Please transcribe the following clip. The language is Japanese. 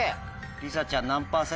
りさちゃん何％？